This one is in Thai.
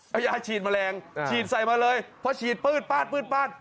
เอายาฉีดแมลงฉีดใส่มาเลยพอฉีด